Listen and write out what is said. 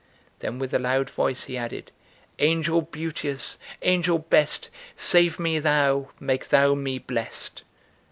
Then with a loud voice he added: "Angel beauteous, angel best, Save me thou, make thou me blest."